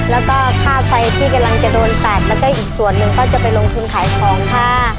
แล้วก็ค่าไฟที่กำลังจะโดนตัดแล้วก็อีกส่วนหนึ่งก็จะไปลงทุนขายของค่ะ